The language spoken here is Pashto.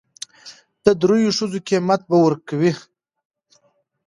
د درېو ښځو قيمت به ور کوي.